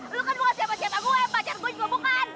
lu kan bukan siapa siapa gue pacar gue juga bukan